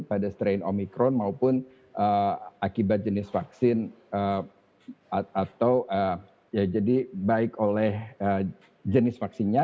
pada strain omikron maupun akibat jenis vaksin atau ya jadi baik oleh jenis vaksinnya